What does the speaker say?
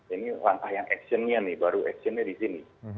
ini langkah yang actionnya nih baru actionnya disini